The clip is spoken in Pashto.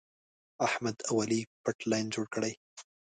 احمد او علي پټ لین جوړ کړی.